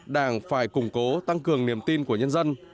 đảng phải củng cố tăng cường niềm tin của nhân dân